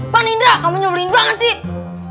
ma nidra kamu nyobrolin banget sih